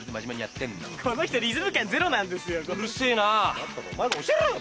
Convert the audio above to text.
だったらお前が教えろよ！